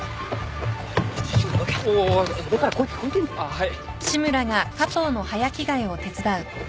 はい。